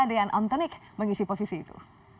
dejan antenik mengisi posisi itu